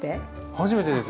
初めてです。